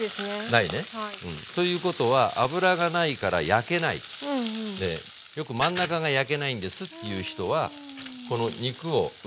ないね。ということは油がないから焼けないんでよく真ん中が焼けないんですっていう人はこの肉を浮かせて焼いてない。